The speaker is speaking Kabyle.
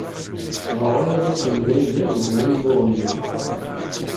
Ɣriɣ isem n Yidir deg wumuɣ-nni.